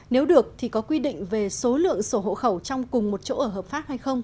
nếu được thì có quy định về số lượng sổ hộ khẩu trong cùng một chỗ ở hợp pháp hay không